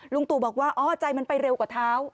ตู่บอกว่าอ๋อใจมันไปเร็วกว่าเท้า